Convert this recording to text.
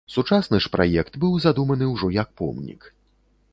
Сучасны ж праект быў задуманы ўжо як помнік.